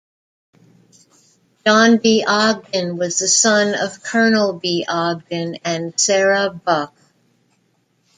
John B. Ogden was the son of Colonel John B. Ogden and Sarah Buck.